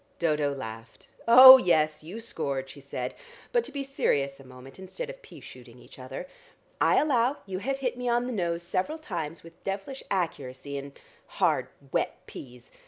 Dodo laughed. "Oh yes, you scored," she said. "But to be serious a moment instead of pea shooting each other. I allow you have hit me on the nose several times with devilish accuracy and hard, wet peas.